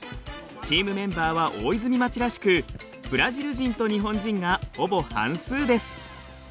チームメンバーは大泉町らしくブラジル人と日本人がほぼ半数です。